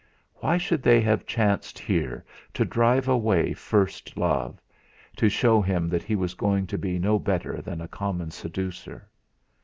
Why should they have chanced here, to drive away first love to show him that he was going to be no better than a common seducer?